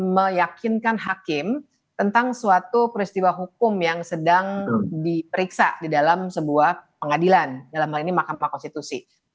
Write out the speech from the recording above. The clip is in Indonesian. meyakinkan hakim tentang suatu peristiwa hukum yang sedang diperiksa di dalam sebuah pengadilan dalam hal ini mahkamah konstitusi